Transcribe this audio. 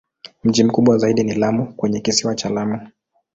Mji mkubwa zaidi ni Lamu kwenye Kisiwa cha Lamu.